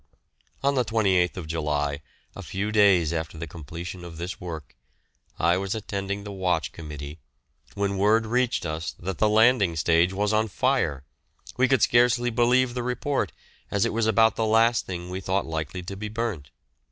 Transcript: On the 28th July, a few days after the completion of this work, I was attending the Watch Committee when word reached us that the landing stage was on fire. We could scarcely believe the report, as it was about the last thing we thought likely to be burnt.